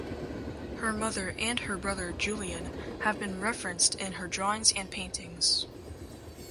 Her mother and her brother Julian have been referenced in her drawings and paintings.